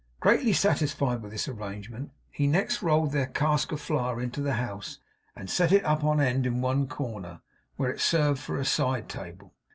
Greatly satisfied with this arrangement, he next rolled their cask of flour into the house and set it up on end in one corner, where it served for a side table.